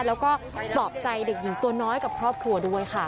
แล้วก็ปลอบใจเด็กหญิงตัวน้อยกับครอบครัวด้วยค่ะ